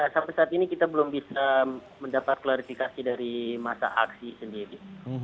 sampai saat ini kita belum bisa mendapat klarifikasi dari masa aksi sendiri